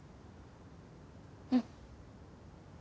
うん。